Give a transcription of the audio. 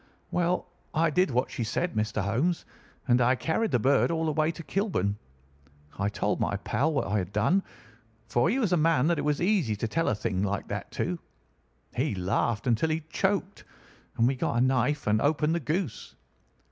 "Well, I did what she said, Mr. Holmes, and I carried the bird all the way to Kilburn. I told my pal what I had done, for he was a man that it was easy to tell a thing like that to. He laughed until he choked, and we got a knife and opened the goose.